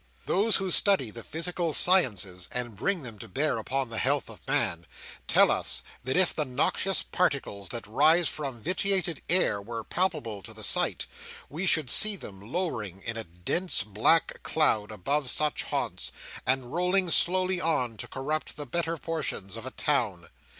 Those who study the physical sciences, and bring them to bear upon the health of Man, tell us that if the noxious particles that rise from vitiated air were palpable to the sight, we should see them lowering in a dense black cloud above such haunts, and rolling slowly on to corrupt the better portions of a town.